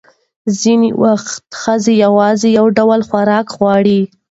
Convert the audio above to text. ځینې وخت ښځې یوازې یو ډول خواړه غواړي.